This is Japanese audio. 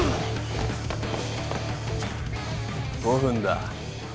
５分だ。